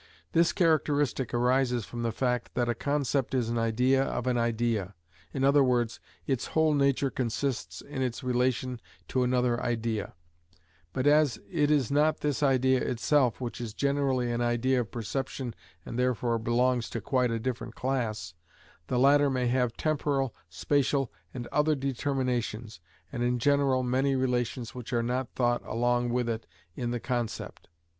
This characteristic arises from the fact that a concept is an idea of an idea, i.e., its whole nature consists in its relation to another idea; but as it is not this idea itself, which is generally an idea of perception and therefore belongs to quite a different class, the latter may have temporal, spacial, and other determinations, and in general many relations which are not thought along with it in the concept.